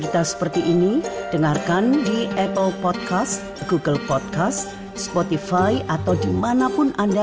terima kasih kembali sampai jumpa lagi